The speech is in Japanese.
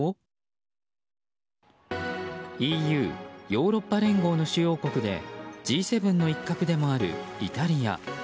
ＥＵ・ヨーロッパ連合の主要国でＧ７の一角でもあるイタリア。